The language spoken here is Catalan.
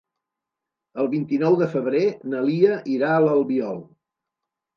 El vint-i-nou de febrer na Lia irà a l'Albiol.